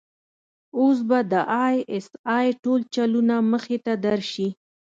اوس به د آى اس آى ټول چلونه مخې ته درشي.